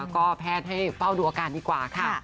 ก็แพทย์ให้เฝ้าดูอาการดีกว่าค่ะ